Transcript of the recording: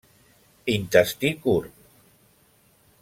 Intestí curt.